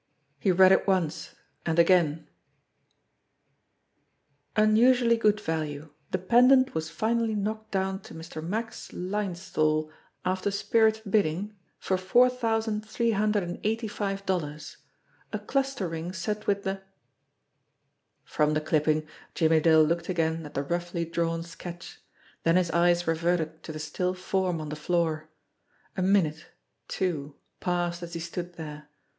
He read it once and again : unusually good value. The pendant was finally knocked down to Mr. Max Linesthal after spirited bidding for four thousand, three hundred and eighty five dollars. A cluster ring set with the From the clipping Jimmie Dale looked again at the roughly drawn sketch, then his eyes reverted to the still form on the floor. A minute, two, passed as he stood there.